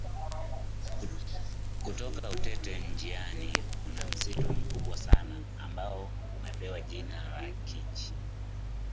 Kutoka Utete njiani kuna msitu mkubwa sana ambao umepewa jina la Kichi